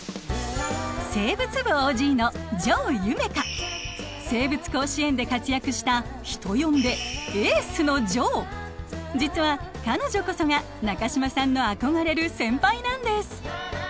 生物部ＯＧの生物甲子園で活躍した人呼んで「エースのジョー」。実は彼女こそが中島さんの憧れる先輩なんです。